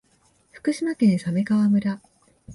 福島県鮫川村